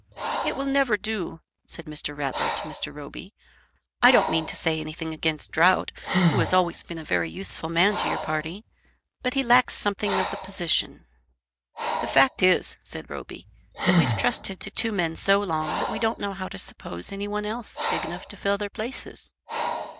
"It will never do," said Mr. Rattler to Mr. Roby. "I don't mean to say anything against Drought, who has always been a very useful man to your party; but he lacks something of the position." "The fact is," said Roby, "that we've trusted to two men so long that we don't know how to suppose any one else big enough to fill their places.